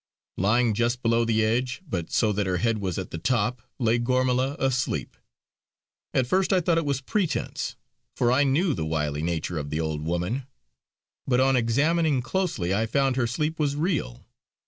Lying just below the edge, but so that her head was at the top lay Gormala, asleep. At first I thought it was pretence, for I knew the wily nature of the old woman; but on examining closely I found her sleep was real.